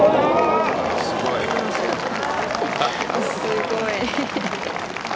すごい。